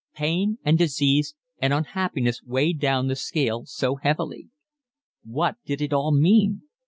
Pain and disease and unhappiness weighed down the scale so heavily. What did it all mean?